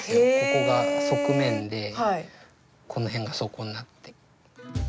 ここが側面でこの辺が底になって。